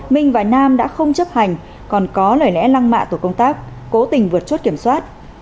minh và nam đã không chấp hành còn có lời lẽ lăng mạ tổ công tác cố tình vượt chốt kiểm soát